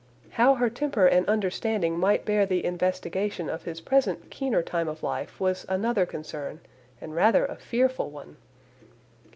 How her temper and understanding might bear the investigation of his present keener time of life was another concern and rather a fearful one.